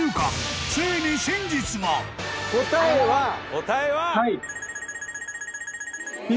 答えは。